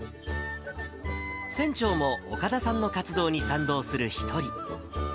船長も岡田さんの活動に賛同する一人。